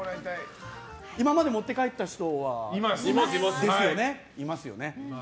今まで持って帰った人は？ですよね。